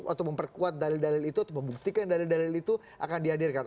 atau memperkuat dalil dalil itu atau membuktikan dalil dalil itu akan dihadirkan